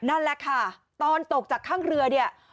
นั่นแหละค่ะตอนตกจากข้างเรือเนี่ย